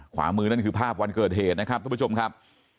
ขวามือนั่นคือภาพวันเกิดเหตุนะครับทุกผู้ชมครับ